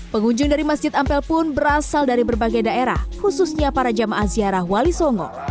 pengunjung dari masjid ampel pun berasal dari berbagai daerah khususnya para jamaah ziarah wali songo